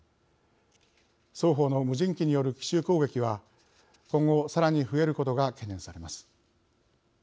双方の無人機による奇襲攻撃は今後さらに増えることが懸念されます。